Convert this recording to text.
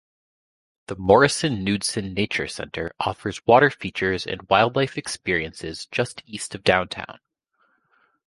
The Morrison-Knudsen Nature Center offers water features and wildlife experiences just east of downtown.